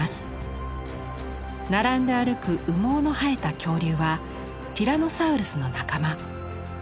並んで歩く羽毛の生えた恐竜はティラノサウルスの仲間。